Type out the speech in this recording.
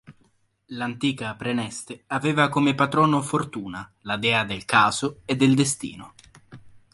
L'antica Praeneste aveva come patrono Fortuna, la dea del caso e del destino.